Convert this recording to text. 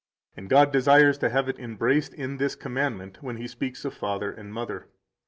And God desires to have it embraced in this commandment when He speaks of father and mother.